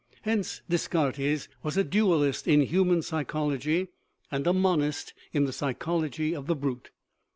Hence Descartes was a dualist in human psychology, and a monist in the psychology of the brute.